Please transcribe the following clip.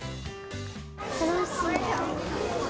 楽しい。